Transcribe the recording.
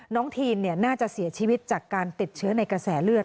ทีนน่าจะเสียชีวิตจากการติดเชื้อในกระแสเลือด